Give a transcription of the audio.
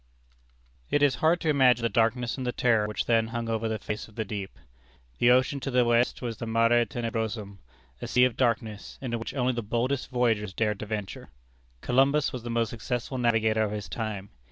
It is hard to imagine the darkness and the terror which then hung over the face of the deep. The ocean to the west was a Mare Tenebrosum a Sea of Darkness, into which only the boldest voyagers dared to venture. Columbus was the most successful navigator of his time.